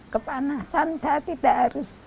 kepanasan saya tidak harus